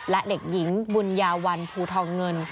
และเด็กหญิงบุญญาวันภูทองเงิน